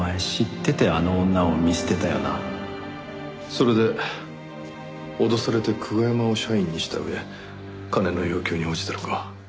それで脅されて久我山を社員にした上金の要求に応じたのか。